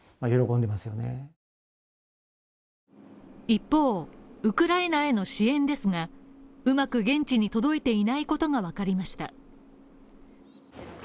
一方、ウクライナへの支援ですが、うまく現地に届いていないことがわかりました。